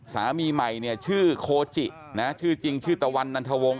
สามีใหม่เนี่ยชื่อโคจินะชื่อจริงชื่อตะวันนันทวงศ